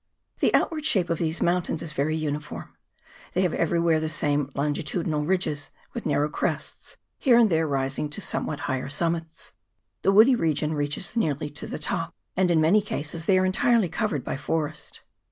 125 The outward shape of these mountains is very uniform ; they have everywhere the same longi tudinal ridges, with narrow crests, here and there rising to a somewhat higher summit. The woody region reaches nearly to the top, and in many cases they are entirely covered by forest.